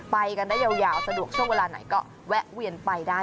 ไปกันได้ยาวสะดวกช่วงเวลาไหนก็แวะเวียนไปได้